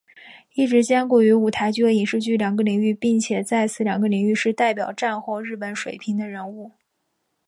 一直兼顾于舞台剧和影视剧两个领域并且在此两个领域是代表战后日本水平的人物。